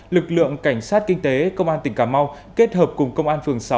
lực lượng cảnh sát kinh tế công an tỉnh cà mau kết hợp cùng công an phường sáu